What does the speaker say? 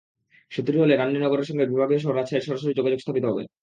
সেতুটি হলে রানীনগরের সঙ্গে বিভাগীয় শহর রাজশাহীর সরাসরি যোগাযোগ স্থাপিত হবে।